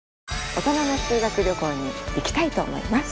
大人の修学旅行に行きたいと思います。